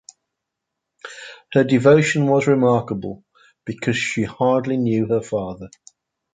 Her devotion was remarkable because she hardly knew her father.